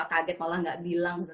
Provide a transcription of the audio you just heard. kaget malah gak bilang